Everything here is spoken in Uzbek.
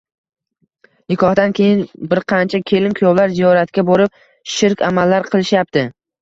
nikohdan keyin birqancha kelin-kuyovlar “ziyoratga” borib, shirk amallar qilishyapti.